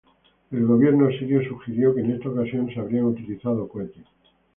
El gobierno sirio sugirió que en esta ocasión se habrían utilizado cohetes.